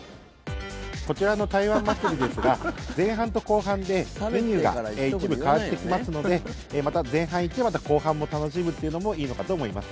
こちらの台湾祭ですが前半と後半でメニューが一部変わってきますので前半行ってまた後半も楽しむっていうのもいいのかと思います。